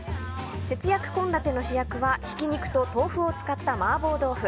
節約献立の主役はひき肉と豆腐を使った麻婆豆腐。